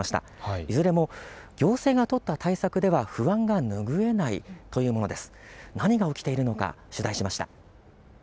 いずれも行政が取った対策では不安が拭えないというものです。